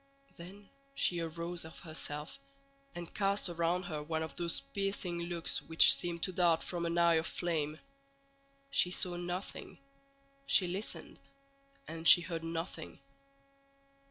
Then she arose of herself, and cast around her one of those piercing looks which seemed to dart from an eye of flame. She saw nothing; she listened, and she heard nothing.